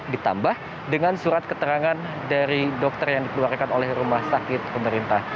ditambah dengan surat keterangan dari dokter yang dikeluarkan oleh rumah sakit pemerintah